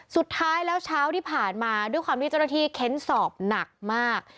สุดท้ายแล้วเช้าที่ผ่านมาด้วยความที่เจ้าหน้าที่เค้นสอบหนักมาก